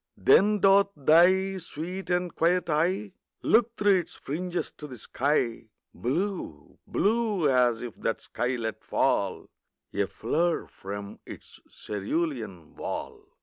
Then doth thy sweet and quiet eye Look through its fringes to the sky, Blue blue as if that sky let fall A flower from its cerulean wall.